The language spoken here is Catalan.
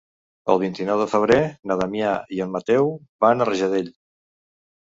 El vint-i-nou de febrer na Damià i en Mateu van a Rajadell.